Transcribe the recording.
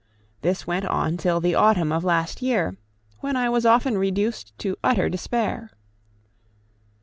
This went on till the autumn of last year, when I was often reduced to utter despair.